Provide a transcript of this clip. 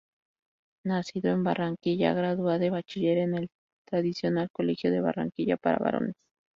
Nacido en Barranquilla, gradúa de bachiller en el tradicional Colegio de Barranquilla para Varones.